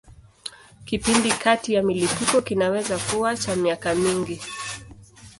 Kipindi kati ya milipuko kinaweza kuwa cha miaka mingi.